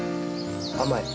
甘い。